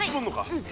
うん。